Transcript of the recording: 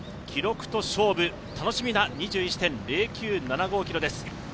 記録と勝負、楽しみな２１．０９７５ｋｍです。